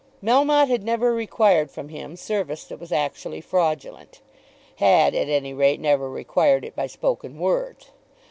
Melmotte had never required from him service that was actually fraudulent, had at any rate never required it by spoken words.